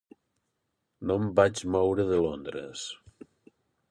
No em vaig moure de Londres.